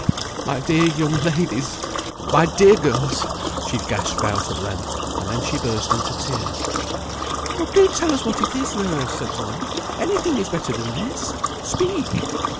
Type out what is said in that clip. "My dear young ladies! my dear girls," she gasped out at length, and then she burst into tears. "Oh! do tell us what it is, nurse," said one. "Any thing is better than this. Speak!"